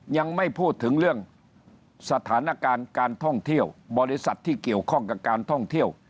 ยังไม่พูดถึงเรื่องสถานการณ์การท่องเที่ยวบริษัทที่เกี่ยวข้องกับการท่องเที่ยว